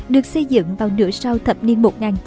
được xây dựng vào nửa sau thập niên